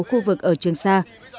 khu vực ở trường sa